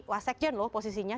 wasakjen loh posisinya